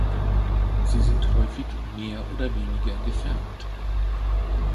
Sie sind häufig mehr oder weniger gefärbt.